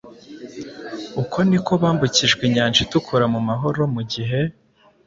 uko ni ko bambukijwe inyanja itukura mu mahoro mu gihe